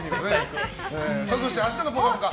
そして、明日の「ぽかぽか」